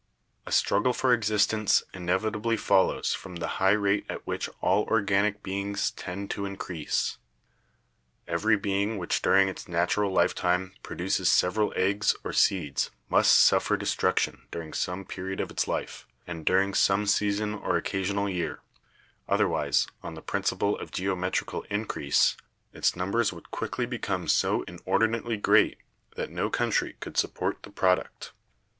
"A struggle for existence inevitably follows from the high rate at which all organic beings tend to increase. Every being which during its natural lifetime produces several eggs or seeds must suffer destruction during some period of its life and during some season or occasional year, otherwise, on the principle of geometrical increase, its numbers would quickly become so inordinately great that no country could support the product.